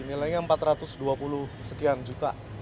nilainya empat ratus dua puluh sekian juta